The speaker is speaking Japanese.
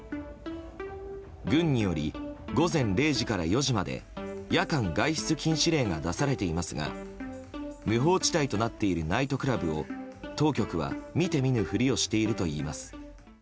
軍により午前０時から４時まで夜間外出禁止令が出されていますが無法地帯となっているナイトクラブを当局は見て見ぬふりをしているといいます。